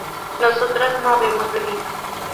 nosotras no habremos bebido